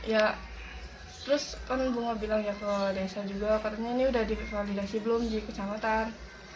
ya terus kan bunga bilang ya kalau ada isya juga karena ini udah dikvalidasi belum di kecematan